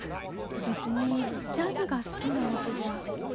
別にジャズが好きなわけじゃ。